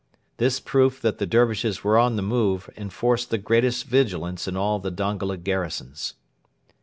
This proof that the Dervishes were on the move enforced the greatest vigilance in all the Dongola garrisons.